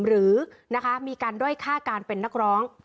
หรือมีการด้อยฆ่าการเป็นนักร้อง